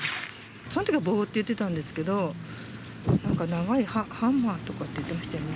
そのときは棒って言ってたんですけど、なんか長いハンマーって言ってましたよね。